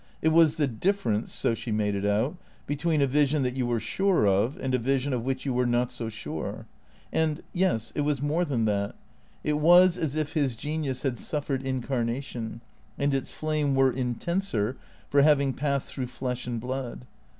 It was the difference (so she made it out) be tween a vision that you were sure of, and a vision of which you were not so sure. And — yes — it was more than that ; it was as if his genius had suffered incarnation, and its flame were in tenser for having passed through flesh and blood.